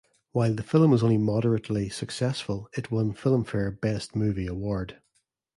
While the film was only moderately successful, it won the Filmfare Best Movie Award.